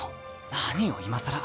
何を今更。